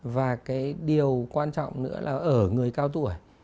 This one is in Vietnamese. và cái điều quan trọng nữa là ở người cao tuổi